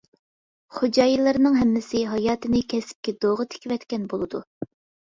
خوجايىنلارنىڭ ھەممىسى ھاياتىنى كەسىپكە دوغا تىكىۋەتكەن بولىدۇ.